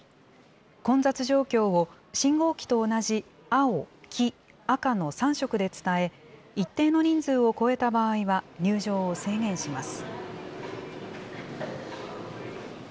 混雑状況を信号機と同じ青、黄、赤の３色で伝え、一定の人数を超えた場合は入場を制限します。